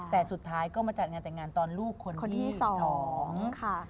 แต่สุดท้ายก็มาจัดงานแต่งงานตอนลูกคนที่สองค่ะ